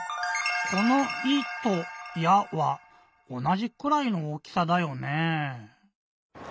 この「い」と「や」はおなじくらいの大きさだよね？